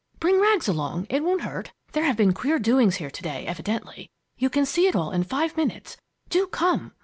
Bring Rags along it won't hurt. There have been queer doings here to day evidently. You can see it all in five minutes. Do come!"